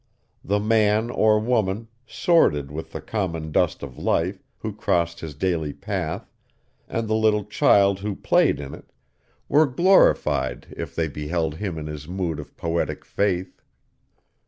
The man or woman, sordid with the common dust of life, who crossed his daily path, and the little child who played in it, were glorified if they beheld him in his mood of poetic faith.